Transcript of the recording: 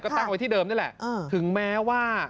ตั้งไว้ที่เดิมนี่แหละถึงแม้ว่า